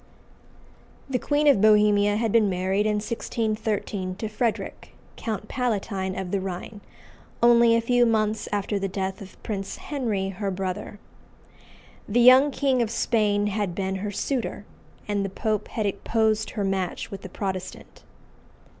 The Queen of Bohemia had been married in 1613 to Frederic, Count Palatine of the Rhine, only a few months after the death of Prince Henry her brother. The young King of Spain had been her suitor, and the Pope had opposed her match with a Protestant.